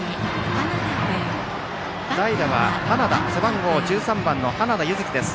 代打は背番号１３番の花田悠月です。